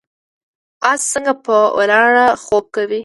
اس څنګه په ولاړه خوب کوي؟